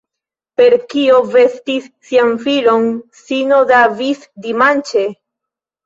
Per kio vestis sian filon S-ino Davis, dimanĉe?